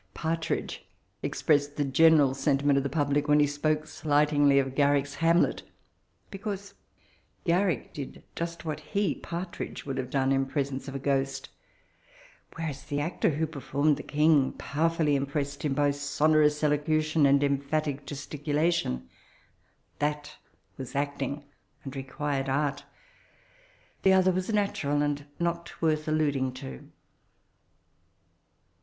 Part ridge expressed the general senti ment of the public when he spoke slightingly of Garrick's "Hanfiet^" b^nse Garrick did jost what he, Partridge, would have done in pre* senoe of a ghost ; whereas the actor who performed the king powerfally impressed him by sonorous elocution and emphatic gesticulation : that was acting, and required art; the other was natural, and not worth alladbg to.